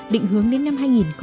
định hướng đến năm hai nghìn ba mươi